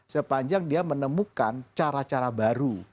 sepanjang dia menemukan cara cara baru